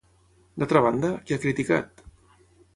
D'altra banda, què ha criticat?